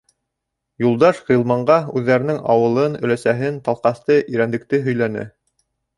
Юлдаш Ғилманға үҙҙәренең ауылын, өләсәһен, Талҡаҫты, Ирәндекте һөйләне.